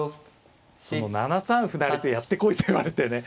７三歩成とやってこいと言われてね